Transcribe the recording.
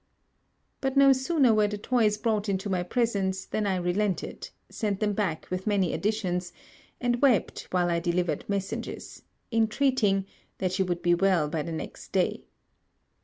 But no sooner were the toys brought into my presence than I relented, sent them back with many additions, and wept while I delivered messages, intreating that she would be well by the next day.